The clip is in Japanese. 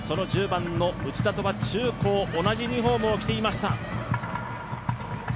１０番の内田とは中高同じユニフォームを着ていました。